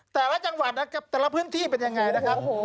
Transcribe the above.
แต่ละจังหวัดนะครับแต่ละพื้นที่เป็นอย่างไรนะครับ